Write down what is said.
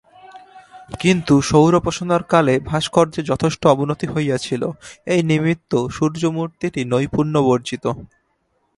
কিন্তু সৌরোপাসনার কালে ভাস্কর্যের যথেষ্ট অবনতি হইয়াছিল, এই নিমিত্ত সূর্যমূর্তিটি নৈপুণ্য-বর্জিত।